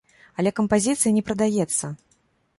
Але кампазіцыя не прадаецца.